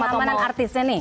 untuk keamanan artisnya nih